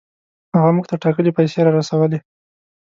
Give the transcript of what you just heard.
هغه موږ ته ټاکلې پیسې را رسولې.